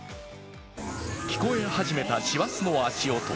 聞こえ始めた師走の足音。